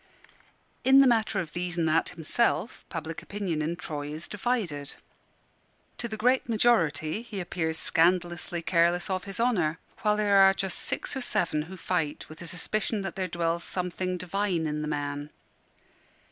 In the matter of These an' That himself, public opinion in Troy is divided. To the great majority he appears scandalously careless of his honour; while there are just six or seven who fight with a suspicion that there dwells something divine in the man.